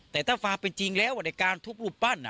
แต่ถ้าความเป็นจริงแล้วในการทุบรูปปั้น